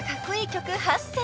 曲」８選］